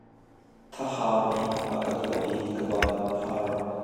Thahau nih a ka duah i ka ban a phar.